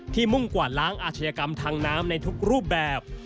มุ่งกว่าล้างอาชญากรรมทางน้ำในทุกรูปแบบ